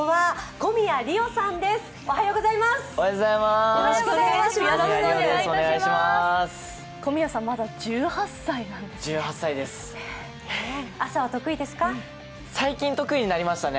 小宮さん、まだ１８歳なんですね。